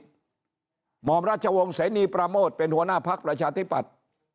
หมอมราชวงศ์เสนีประโมทเป็นหัวหน้าพักประชาธิปัตย์